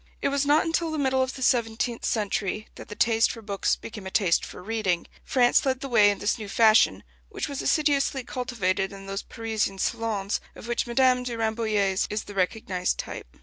It was not until the middle of the seventeenth century that the taste for books became a taste for reading. France led the way in this new fashion, which was assiduously cultivated in those Parisian salons of which Madame de Rambouillet's is the recognized type.